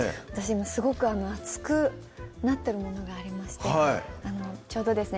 今すごく熱くなってるものがありましてちょうどですね